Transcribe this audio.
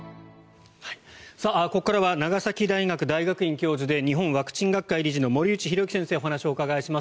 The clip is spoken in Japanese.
ここからは長崎大学大学院教授で日本ワクチン学会理事の森内浩幸先生にお話をお伺いします。